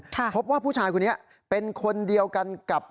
พบว่าผู้ชายคนนี้เป็นคนเดียวกันกับ